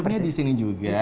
workshopnya di sini juga